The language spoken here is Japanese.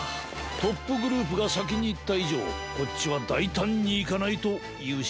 トップグループがさきにいったいじょうこっちはだいたんにいかないとゆうしょうできないぜ。